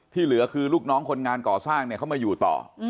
เหลือคือลูกน้องคนงานก่อสร้างเนี่ยเขามาอยู่ต่อ